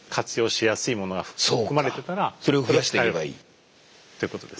それを増やしていけばいい？ということです。